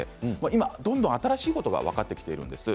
今どんどん新しいことが分かってきているんです。